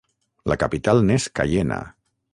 La capital n'és Caiena.